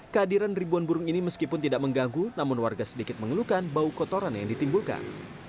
kehadiran ribuan burung ini meskipun tidak mengganggu namun warga sedikit mengeluhkan bau kotoran yang ditimbulkan